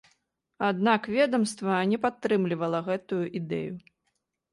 Аднак ведамства не падтрымала гэтую ідэю.